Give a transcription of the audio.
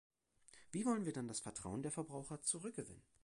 Wie wollen wir dann das Vertrauen der Verbraucher zurückgewinnen?